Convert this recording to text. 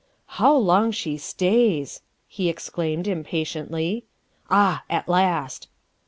" How long she stays!" he exclaimed impatiently. "Ah, at last!"